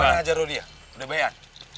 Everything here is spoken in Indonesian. bagaimana aja roli ya udah bayar